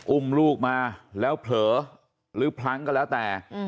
อุ้มลูกมาแล้วเผลอหรือพลั้งก็แล้วแต่